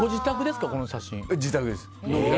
自宅です。